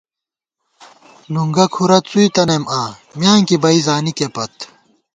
نُنگُہ کُھرَہ څُوئی تنَئیم آں، میانکی بئ زانِکےپت